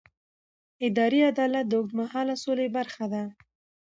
اداري عدالت د اوږدمهاله سولې برخه ده